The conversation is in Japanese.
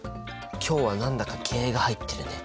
今日は何だか気合いが入ってるね。